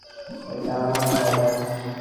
এটা আমার ঘর।